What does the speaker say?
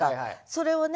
それをね